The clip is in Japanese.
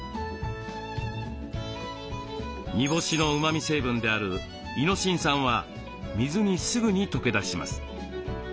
煮干しのうまみ成分であるイノシン酸は水にすぐに溶け出します。